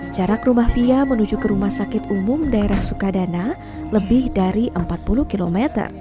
jarak rumah fia menuju ke rumah sakit umum daerah sukadana lebih dari empat puluh km